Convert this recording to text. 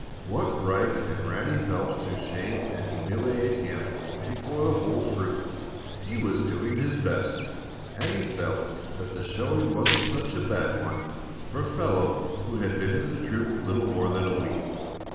What right had Ranny Phelps to shame and humiliate him before the whole troop? He was doing his best, and he felt that the showing wasn't such a bad one for a fellow who had been in the troop little more than a week.